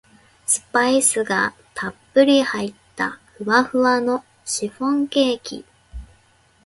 スパイスがたっぷり入ったふわふわのシフォンケーキ